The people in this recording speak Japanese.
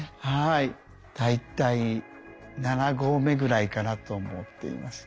大体７合目ぐらいかなと思っています。